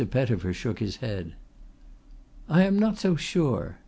Pettifer shook his head. "I am not so sure.